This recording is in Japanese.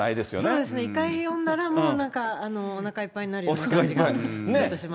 そうですね、１回読んだらもう、なんかおなかいっぱいになるような感じがします。